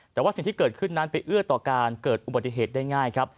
แต่ว่าสิ่งที่เกิดขึ้นนั้นไปเอื้อต่อการเกิดอุบัติเหตุได้ง่ายครับ